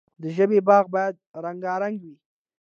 د ژبې باغ باید رنګارنګ وي.